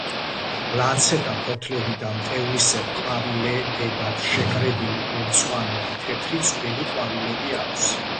ლანცეტა ფოთლები და მტევნისებრ ყვავილედებად შეკრებილი მომწვანო ან თეთრი წვრილი ყვავილები აქვს.